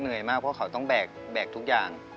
หนูเห็นพี่กิ่งได้เห็นมเขาบอกว่า